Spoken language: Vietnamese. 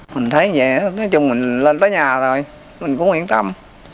mình thấy như vậy nói chung mình lên tới nhà rồi mình cũng yên tâm